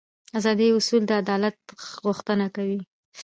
اداري اصول د عدالت غوښتنه کوي.